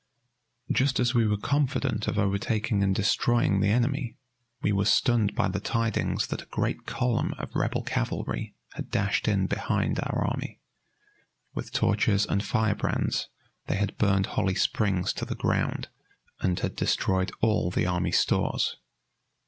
Just as we were confident of overtaking and destroying the enemy, we were stunned by the tidings that a great column of Rebel cavalry had dashed in behind our army. With torches and firebrands they had burned Holly Springs to the ground, and had destroyed all the army stores.